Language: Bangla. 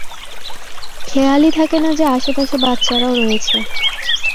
খেয়ালই থাকে না যে, আশেপাশে বাচ্চারাও রয়েছে।